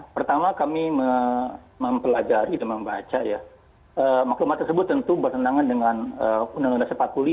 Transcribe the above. pertama kami mempelajari dan membaca ya maklumat tersebut tentu bertentangan dengan undang undang dasar empat puluh lima